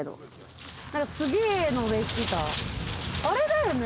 あれだよね？